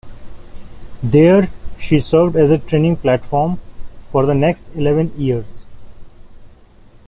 There she served as a training platform for the next eleven years.